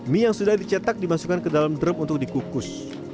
mie yang sudah dicetak dimasukkan ke dalam drum untuk dikukus